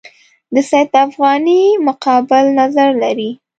د سید افغاني مقابل نظر لري.